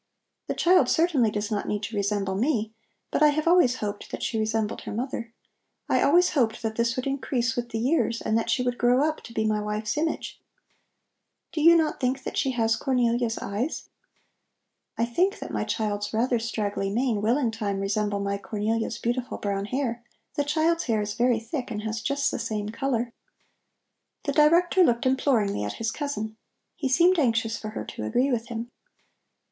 The child certainly does not need to resemble me, but I have always hoped that she resembled her mother. I always hoped that this would increase with the years and that she would grow up to be my wife's image. Do you not think that she has Cornelia's eyes? I think that my child's rather straggly mane will in time resemble my Cornelia's beautiful brown hair; the child's hair is very thick and has just the same color." The Director looked imploringly at his cousin. He seemed anxious for her to agree with him.